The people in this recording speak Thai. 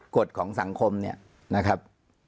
กฎของสังคมเนี่ยนะครับ